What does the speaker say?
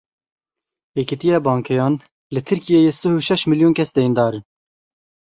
Yekîtiya Bankeyan Li Tirkiyeyê sih û şeş milyon kes deyndar in.